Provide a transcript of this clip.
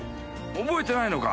覚えてないのか？